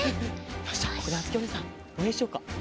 よしじゃあここであづきおねえさんおうえんしよっか。